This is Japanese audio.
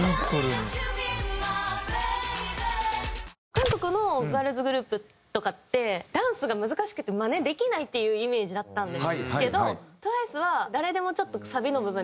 韓国のガールズグループとかってダンスが難しくてマネできないっていうイメージだったんですけどＴＷＩＣＥは誰でもちょっとサビの部分できる。